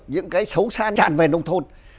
những cái xấu xa tràn về nông thôn